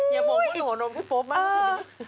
อย่าบอกว่าหัวนมพี่โป๊ปมั้ง